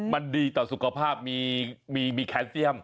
มันดีต่อสุขภาพมีแคนเซียม